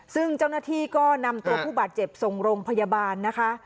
ซึ่งเจ้าหน้าที่ก็นำตัวผู้บาดเจ็บส่งโรงพยาบาลนะคะ